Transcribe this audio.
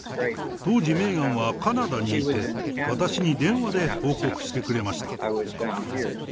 当時、メーガンはカナダにいて、私に電話で報告してくれました。